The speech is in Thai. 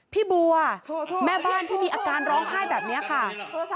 พี่บัวแม่บ้านที่มีอาการร้องไห้แบบนี้ค่ะ